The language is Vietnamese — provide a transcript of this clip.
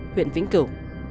huyện vĩnh cửu